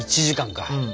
１時間か。